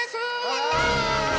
やった！